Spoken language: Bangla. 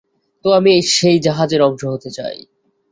তো, আমি সেই জাহাজের অংশ হতে চাই।